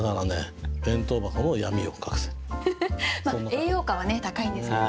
栄養価はね高いんですけどね。